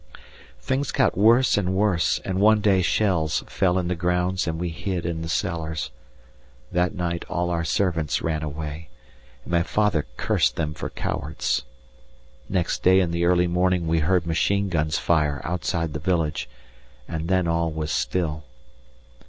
Things got worse and worse, and one day shells fell in the grounds and we hid in the cellars. That night all our servants ran away, and my father cursed them for cowards. Next day in the early morning we heard machine guns fire outside the village, and then all was still.